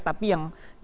tapi yang mau